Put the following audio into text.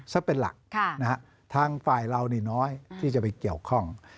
ซะเป็นหลักทางฝ่ายเรานี่น้อยที่จะไปเกี่ยวข้อง